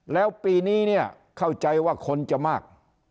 แล้วปีนี้เนี่ยเข้าใจว่าคนจะมาก